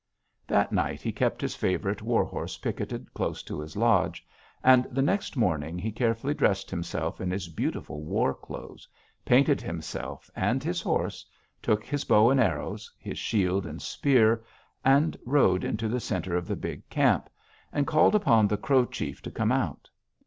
"That night he kept his favorite war horse picketed close to his lodge, and the next morning he carefully dressed himself in his beautiful war clothes, painted himself and his horse, took his bow and arrows, his shield and spear, and rode into the center of the big camp, and called upon the Crow chief to come out.